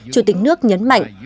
chủ tịch nước nhấn mạnh